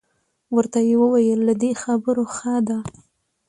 ورته یې وویل له دې خبرو ښه ده.